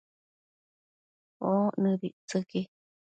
oc nëbictsëqui